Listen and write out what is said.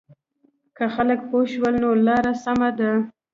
که خلک پوه شول نو لاره سمه ده.